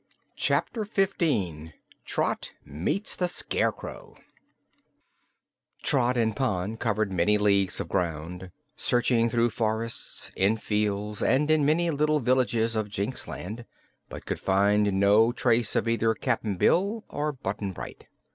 Chapter Fifteen Trot Meets the Scarecrow Trot and Pon covered many leagues of ground, searching through forests, in fields and in many of the little villages of Jinxland, but could find no trace of either Cap'n Bill or Button Bright.